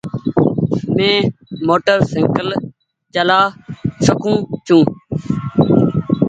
مينٚ موٽرسئيڪل چآلا سڪوُن ڇوٚنٚ